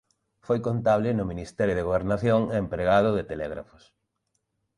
Foi contable no ministerio de Gobernación e empregado de Telégrafos.